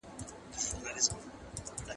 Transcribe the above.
د پوهنتونونو په کچه د نوښتګرو طرحو ملاتړ نه کيده.